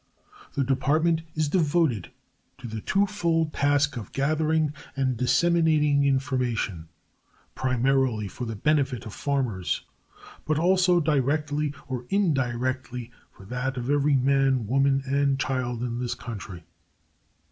This Department is devoted to the two fold task of gathering and disseminating information; primarily for the benefit of farmers, but also, directly or indirectly, for that of every man, woman and child in this country.